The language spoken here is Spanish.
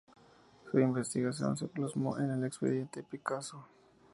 Su investigación se plasmó en el Expediente Picasso.